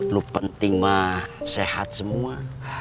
lu penting mah sehat semua